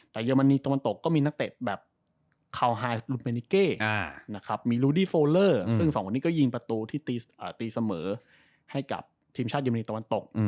แต่เยอรมนีตะวันตกก็มีนักเตะแบบคาวไฮลุนเมนิเก้นะครับมีลูดี้โฟเลอร์ซึ่งสองคนนี้ก็ยิงประตูที่ตีเสมอให้กับทีมชาติเยอรมนีตะวันตก